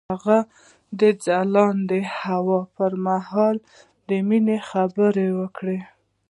هغه د ځلانده هوا پر مهال د مینې خبرې وکړې.